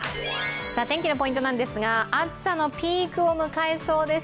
天気のポイントなんですが暑さのピークを迎えそうです。